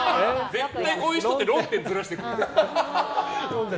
絶対こういう人って論点ずらしてくる。